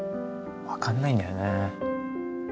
分かんないんだよね。